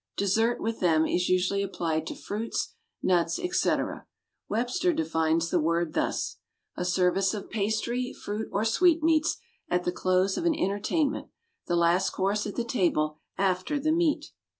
"Dessert" with them is usually applied to fruits, nuts, etc. Webster defines the word thus: "A service of pastry, fruit or sweetmeats at the close of an entertainment; the last course at the table after the meat."